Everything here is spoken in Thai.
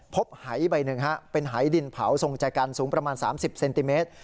หายใบหนึ่งเป็นหายดินเผาทรงใจกันสูงประมาณ๓๐เซนติเมตร